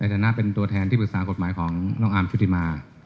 ฐานะเป็นตัวแทนที่ปรึกษากฎหมายของน้องอาร์มชุติมา